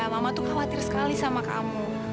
mama tuh khawatir sekali sama kamu